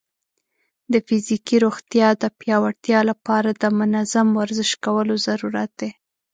د فزیکي روغتیا د پیاوړتیا لپاره د منظم ورزش کولو ضرورت دی.